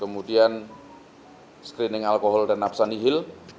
kemudian screening alkohol dan napsanihil